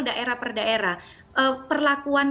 daerah per daerah perlakuan